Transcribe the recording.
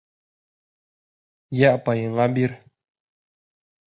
Йә апайыңа бир.